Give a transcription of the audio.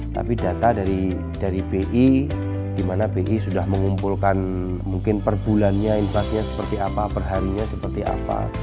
tapi data dari bi di mana bi sudah mengumpulkan mungkin per bulannya inflasinya seperti apa perharinya seperti apa